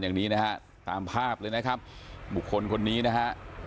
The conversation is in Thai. อย่างนี้นะฮะตามภาพเลยนะครับบุคคลคนนี้นะฮะ